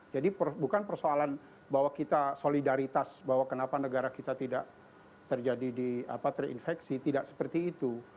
jadi bukan persoalan bahwa kita solidaritas bahwa kenapa negara kita tidak terjadi di apa terinfeksi tidak seperti itu